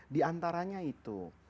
di antaranya itu